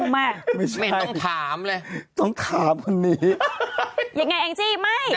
ไม่ต้องถามเลยไม่ต้องถามเลยต้องถามวันนี้ยังไงแองจี้ไม่